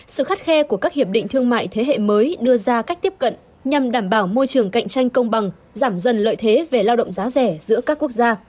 sự khắt khe của các hiệp định thương mại thế hệ mới đưa ra cách tiếp cận nhằm đảm bảo môi trường cạnh tranh công bằng giảm dần lợi thế về lao động giá rẻ giữa các quốc gia